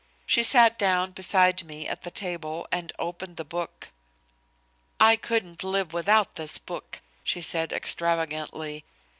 She sat down beside me at the table and opened the book. "I couldn't live without this book," she said extravagantly.